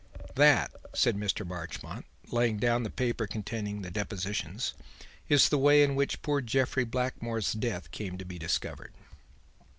"That," said Mr. Marchmont, laying down the paper containing the depositions, "is the way in which poor Jeffrey Blackmore's death came to be discovered.